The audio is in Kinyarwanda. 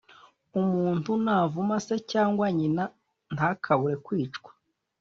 umuntu navuma se cyangwa nyina ntakabure kwicwa